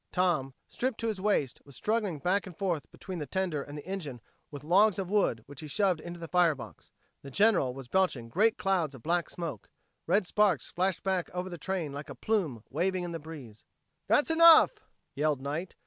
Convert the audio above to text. Tom, stripped to his waist, was struggling back and forth between the tender and the engine with logs of wood which he shoved into the fire box. The General was belching great clouds of black smoke; red sparks flashed back over the train like a plume waving in the breeze. "That's enough," yelled Knight.